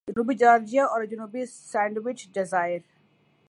جنوبی جارجیا اور جنوبی سینڈوچ جزائر